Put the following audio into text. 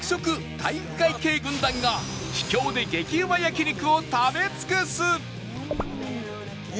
体育会系軍団が秘境で激うま焼肉を食べ尽くす